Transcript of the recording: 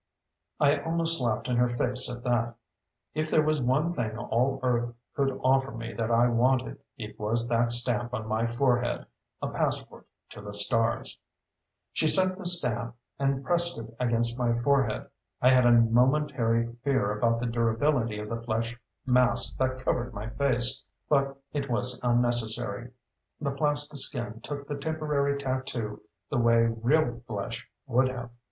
I almost laughed in her face at that. If there was one thing all Earth could offer me that I wanted, it was that stamp on my forehead: a passport to the stars.... She set the stamp and pressed it against my forehead. I had a momentary fear about the durability of the flesh mask that covered my face, but it was unnecessary. The plastiskin took the temporary tattoo the way real flesh would have.